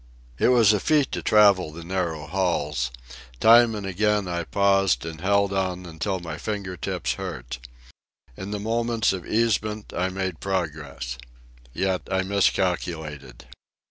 It was a feat to travel the narrow halls. Time and again I paused and held on until my finger tips hurt. In the moments of easement I made progress. Yet I miscalculated.